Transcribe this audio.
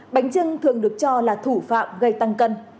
bánh trưng thường được cho là thủ phạm gây tăng cân